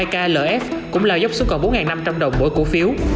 klf cũng lao dốc xuống còn bốn năm trăm linh đồng mỗi cổ phiếu